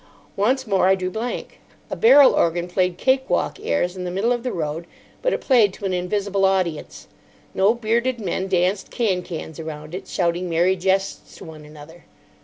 Once more I drew blank. A barrel organ played cake walk airs in the middle of the road, but it played to an invisible audience. No bearded men danced can cans around it, shouting merry jests to one another.